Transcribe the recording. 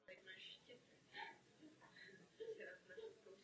Dobrovolníci v něm poskytují zdarma objetí každému člověku.